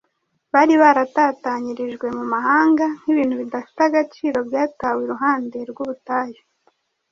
Bari baratatanyirijwe mu mahanga nk’ibintu bidafite agaciro byatawe iruhande rw’ubutayu.